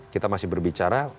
kita masih berbicara